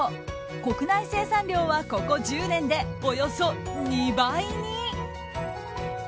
国内生産量はここ１０年でおよそ２倍に。